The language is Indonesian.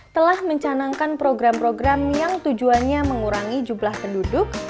telah mencanangkan program program yang tujuannya mengurangi jumlah penduduk